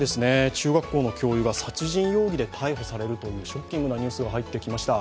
中学校の教諭が殺人容疑で逮捕されるというショッキングなニュースが入ってきました。